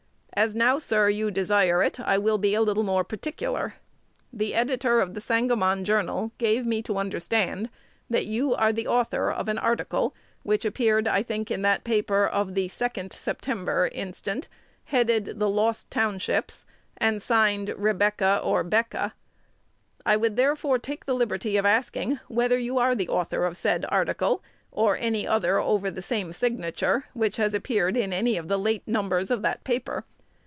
As now, sir, you desire it, I will be a little more particular. The editor of "The Sangamon Journal" gave me to understand that you are the author of an article which appeared, I think, in that paper of the 2d September inst., headed "The Lost Townships," and signed Rebecca or 'Becca. I would therefore take the liberty of asking whether you are the author of said article, or any other over the same signature which has appeared in any of the late numbers of that paper.